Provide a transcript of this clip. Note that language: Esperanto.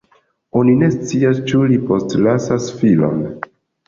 Oni ne scias ĉu li postlasis filon.